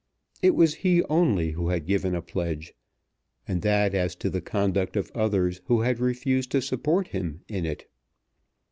It was he only who had given a pledge, and that as to the conduct of others who had refused to support him in it.